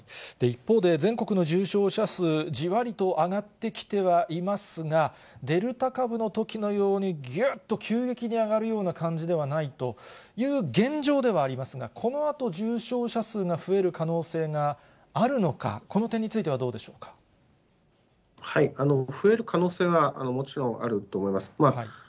一方で、全国の重症者数、じわりと上がってきてはいますが、デルタ株のときのように、ぎゅっと急激に上がるような感じではないという現状ではありますが、このあと、重症者数が増える可能性があるのか、この点についてはどうでしょ増える可能性はもちろんあると思います。